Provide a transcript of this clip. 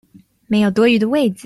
沒有多餘的位子